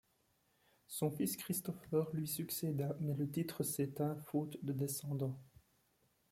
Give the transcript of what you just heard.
Son fils Christopher lui succéda, mais le titre s'éteint faute de descendant.